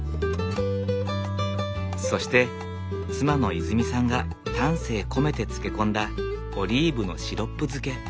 そして妻のいづみさんが丹精込めて漬け込んだオリーブのシロップ漬け。